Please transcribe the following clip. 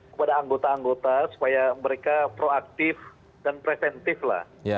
kepada anggota anggota supaya mereka proaktif dan preventif lah